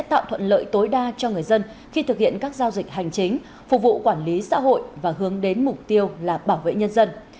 tạo thuận lợi tối đa cho người dân khi thực hiện các giao dịch hành chính phục vụ quản lý xã hội và hướng đến mục tiêu là bảo vệ nhân dân